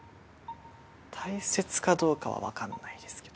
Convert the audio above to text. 大切かどうかはわからないですけど。